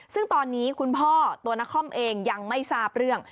ซึ่งตอนนี้คุณพ่อตัวนครเองยังไม่ทราบเรื่อง